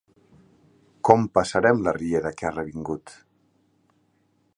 Com passarem la riera que ha revingut?